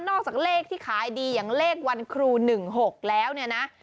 นอกจากเลขที่ขายดีอย่างเลขวันครู๑๖แล้วนะ